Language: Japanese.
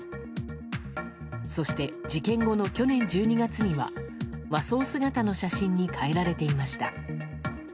そして、事件後の去年１２月には和装姿の写真に変えられていました。